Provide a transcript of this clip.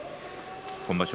今場所